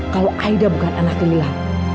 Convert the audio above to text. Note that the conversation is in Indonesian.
kalau aida bukan anak lila